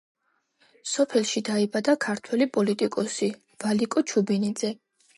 სოფელში დაიბადა ქართველი პოლიტიკოსი ვალიკო ჩუბინიძე.